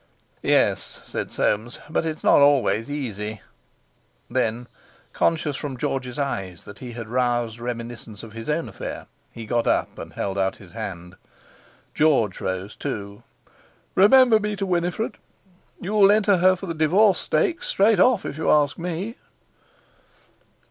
"Yes," said Soames; "but it's not always easy." Then, conscious from George's eyes that he had roused reminiscence of his own affair, he got up, and held out his hand. George rose too. "Remember me to Winifred.... You'll enter her for the Divorce Stakes straight off if you ask me."